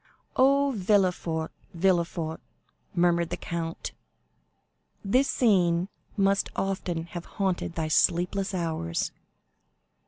"Oh, Villefort, Villefort," murmured the count, "this scene must often have haunted thy sleepless hours!"